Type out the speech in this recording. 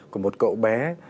của một cậu bé